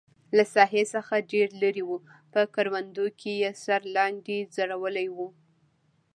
له ساحې څخه ډېر لرې و، په کروندو کې یې سر لاندې ځړولی و.